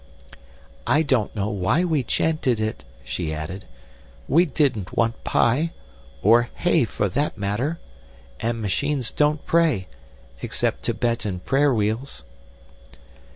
_ "I don't know why we chanted it," she added. "We didn't want pie or hay, for that matter. And machines don't pray, except Tibetan prayer wheels."